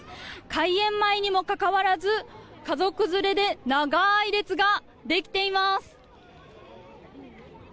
開園前にもかかわらず家族連れで長い列ができています。